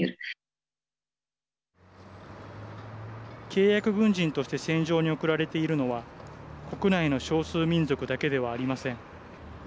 契約軍人として戦場に送られているのは国内の少数民族だけではありません。